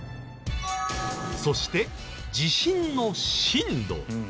そして地震の震度。